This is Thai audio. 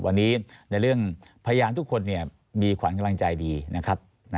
วันนี้ในเรื่องพยานทุกคนมีขวัญกำลังใจดีนะครับ